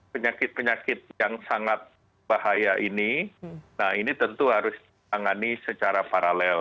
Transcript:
penyakit penyakit yang sangat bahaya ini nah ini tentu harus ditangani secara paralel